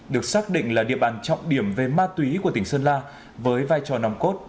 được xác định là địa bàn trọng điểm về ma túy của tỉnh sơn la với vai trò nòng cốt